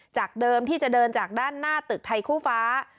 เดิมที่จะเดินจากด้านหน้าตึกไทยคู่ฟ้า